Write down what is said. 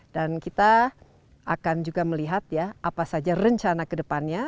dan kita akan juga melihat ya apa saja rencana ke depannya